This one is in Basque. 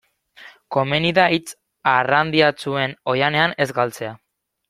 Komeni da hitz arrandiatsuen oihanean ez galtzea.